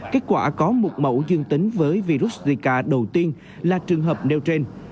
kết quả có một mẫu dương tính với virus zika đầu tiên là trường hợp neutrin